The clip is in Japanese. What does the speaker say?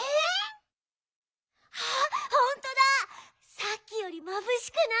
さっきよりまぶしくない。